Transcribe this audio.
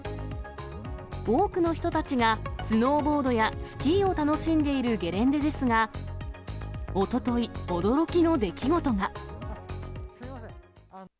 多くの人たちが、スノーボードやスキーを楽しんでいるゲレンデですが、おととい、驚きの出来事が。